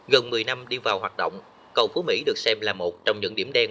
gần một mươi năm đi vào hoạt động cầu phú mỹ được xem là một trong những điểm đen